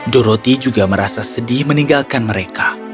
doroti juga merasa sedih meninggalkan mereka